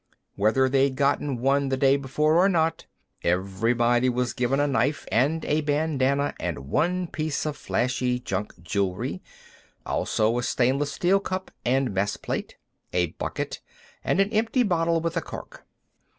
Whether they'd gotten one the day before or not, everybody was given a knife and a bandanna and one piece of flashy junk jewelry, also a stainless steel cup and mess plate, a bucket, and an empty bottle with a cork.